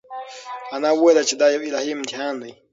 انا وویل چې دا یو الهي امتحان دی.